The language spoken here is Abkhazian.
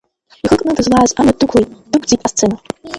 Ихы кны дызлааз амҩа дықәлеит, дықәҵит асцена.